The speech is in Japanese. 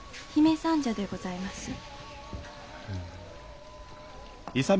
「姫三社」でございます。